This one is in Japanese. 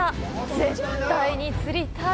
絶対に釣りたい！